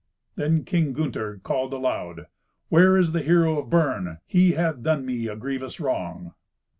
Then King Gunther called aloud, "Where is the hero of Bern? He hath done me a grievous wrong."